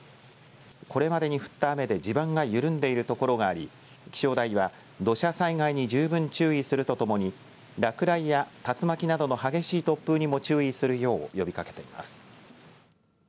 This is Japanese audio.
これまでに降った雨で地盤が緩んでいるところがあり気象台は土砂災害に十分注意するとともに落雷や竜巻などの激しい突風にも注意するよう呼びかけています。